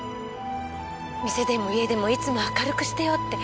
店でも家でもいつも明るくしてようって。